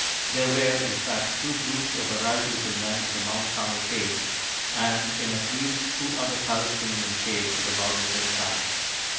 There were, in fact, two groups or varieties of men in the Mount Carmel caves and in at least two other Palestinian caves of about the same time.